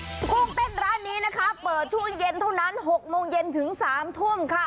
กุ้งเต้นร้านนี้นะคะเปิดช่วงเย็นเท่านั้น๖โมงเย็นถึง๓ทุ่มค่ะ